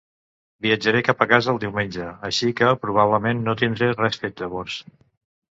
Viatjaré cap a casa el diumenge, així que probablement no tindré res fet llavors.